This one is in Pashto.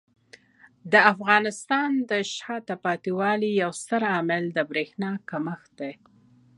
د افغانستان د شاته پاتې والي یو ستر عامل د برېښنا کمښت دی.